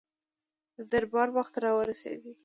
د دربار وخت را ورسېدی.